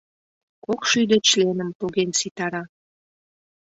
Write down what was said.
Кок шӱдӧ членым поген ситара...